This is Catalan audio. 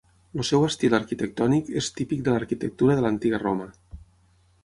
El seu estil arquitectònic és típic de l'arquitectura de l'antiga Roma.